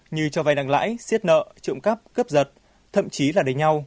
như cho vay nặng lãi xiết nợ trộm cắp cướp giật thậm chí là đánh nhau